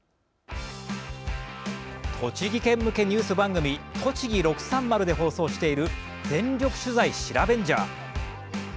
栃木県向けニュース番組「とちぎ６３０」で放送している「全力取材シラベンジャー」。